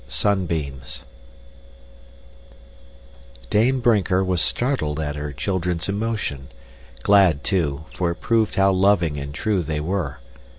Sunbeams Dame Brinker was startled at her children's emotion; glad, too, for it proved how loving and true they were.